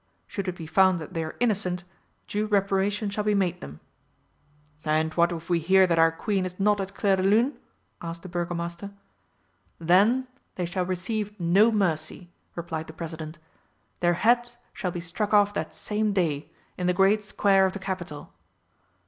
Should it be found that they are innocent, due reparation shall be made them." "And what if we hear that our Queen is not at Clairdelune?" asked the Burgomaster. "Then they shall receive no mercy," replied the President. "Their heads shall be struck off that same day, in the great square of the Capital."